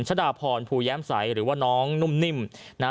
ชะดาพรภูแย้มใสหรือว่าน้องนุ่มนิ่มนะฮะ